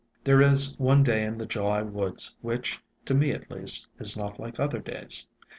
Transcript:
There is one day in the July woods which, to me at least, is not like other days.